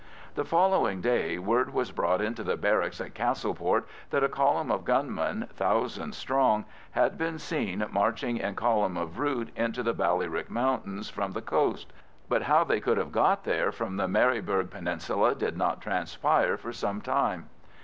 The following day word was brought into the barracks at Castleport that a column of gunmen, thousands strong, had been seen marching in column of route into the Ballyrick Mountains from the coast; but how they could have got there from the Maryburgh Peninsula did not transpire for some time.